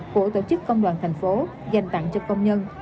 của tổ chức công đoàn thành phố dành tặng cho công nhân